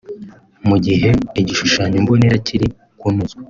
Mu gihe igishushanyo mbonera kiri kunozwa